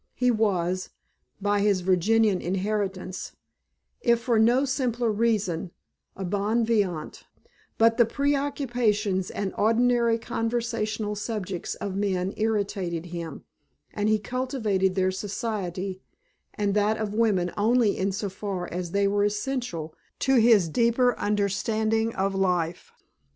He was, by his Virginian inheritance, if for no simpler reason, a bon vivant, but the preoccupations and ordinary conversational subjects of men irritated him, and he cultivated their society and that of women only in so far as they were essential to his deeper understanding of life.